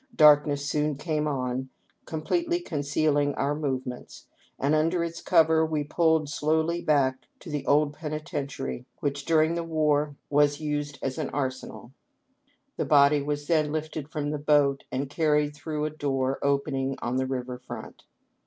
Darkness soon came on, completely concealing our movements, and under its cover we pulled slowly back to the old Penitentiary, which during the war was 626 APPENDIX. used as an arsenal. The body was then lifted from the boat and carried through a door opening on the river front.